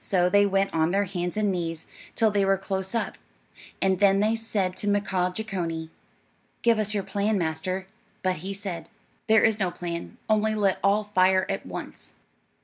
So they went on their hands and knees till they were close up, and then they said to Mkaaah Jeechonee, "Give us your plan, master;" but he said, "There is no plan, only let all fire at once."